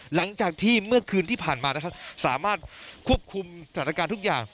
หลังจากที่เมื่อคืนที่ผ่านมานะครับสามารถควบคุมสถานการณ์ทุกอย่าง